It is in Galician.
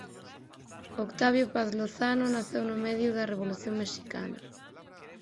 Octavio Paz Lozano naceu no medio da Revolución mexicana.